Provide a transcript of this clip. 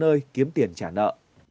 nơi kiếm tiền trả nợ